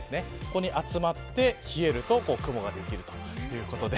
ここに集まって冷えると雲ができるということで。